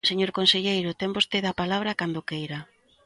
Señor conselleiro, ten vostede a palabra cando queira.